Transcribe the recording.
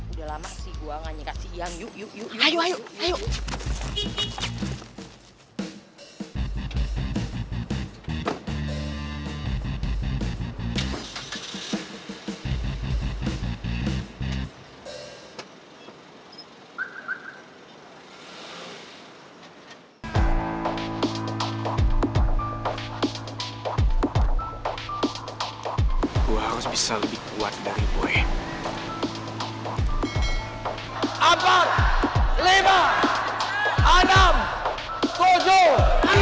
udah lama sih gue gak nyikap siang yuk yuk yuk